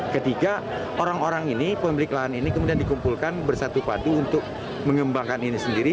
ketiga orang orang ini pemilik lahan ini kemudian dikumpulkan bersatu padu untuk mengembangkan ini sendiri